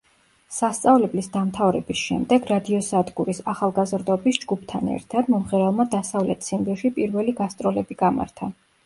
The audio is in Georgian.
სასწავლებლის დამთავრების შემდეგ რადიოსადგურის „ახალგაზრდობის“ ჯგუფთან ერთად, მომღერალმა დასავლეთ ციმბირში პირველი გასტროლები გამართა.